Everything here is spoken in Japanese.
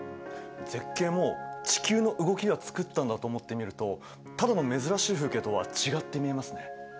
絶景も地球の動きが作ったんだと思って見るとただの珍しい風景とは違って見えますね。